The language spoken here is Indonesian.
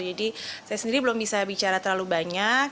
jadi saya sendiri belum bisa bicara terlalu banyak